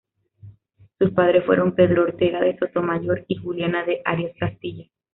Sus padres fueron Pedro Ortega de Sotomayor y Juliana de Arias Castilla.